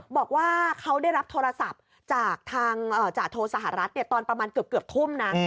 บอกว่าเขาได้รับโทรศัพท์จากทางจาโทสหรัฐตอนประมาณเกือบทุ่มนะ